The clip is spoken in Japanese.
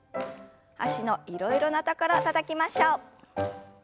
脚のいろいろなところたたきましょう。